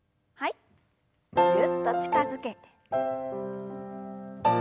ぎゅっと近づけて。